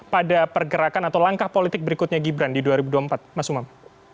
pada pergerakan atau langkah politik berikutnya gibran di dua ribu dua puluh empat mas umam